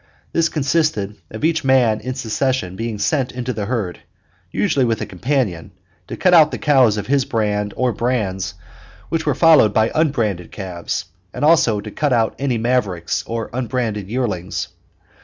This consisted of each man in succession being sent into the herd, usually with a companion, to cut out the cows of his brand or brands which were followed by unbranded calves, and also to cut out any mavericks or unbranded yearlings.